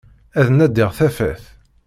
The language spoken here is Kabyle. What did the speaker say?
Ad nadiγ tafat.